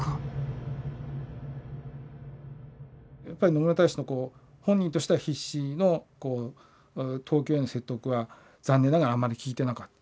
野村大使の本人としては必死の東京への説得は残念ながらあんまり効いてなかった。